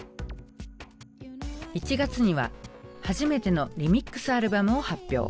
１月には初めてのリミックスアルバムを発表。